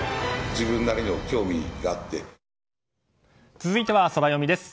続いてはソラよみです。